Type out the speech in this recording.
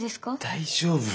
大丈夫。